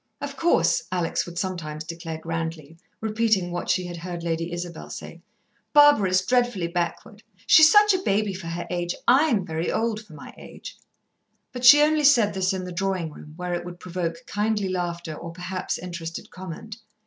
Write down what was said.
"Of course," Alex would sometimes declare grandly, repeating what she had heard Lady Isabel say, "Barbara is dreadfully backward. She's such a baby for her age. I'm very old for my age." But she only said this in the drawing room, where it would provoke kindly laughter or perhaps interested comment.